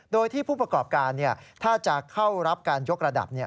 โดยที่ผู้ประกอบการถ้าจะเข้ารับการยกระดับ